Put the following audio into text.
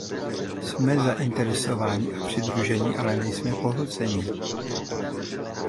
Jsme zainteresováni a přidružení, ale nejsme pohlcení.